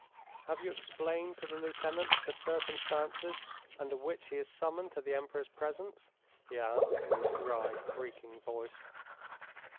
'Have you explained to the lieutenant the circumstances under which he is summoned to the Emperor's presence?' he asked, in his dry, creaking voice.